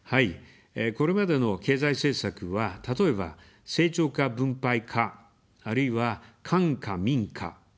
これまでの経済政策は、例えば「成長か分配か」、あるいは「官か民か」